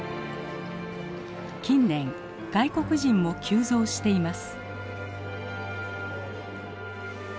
近年外国人も急増しています。